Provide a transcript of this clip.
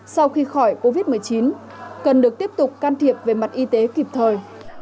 sau khi khỏi covid một mươi chín cần được tiếp tục can thiệp về mặt y tế kịp thời